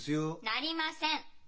なりません！